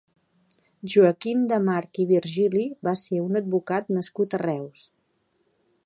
Joaquim de March i Virgili va ser un advocat nascut a Reus.